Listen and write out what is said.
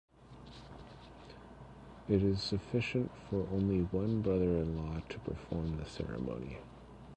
It is sufficient for only one brother-in-law to perform the ceremony.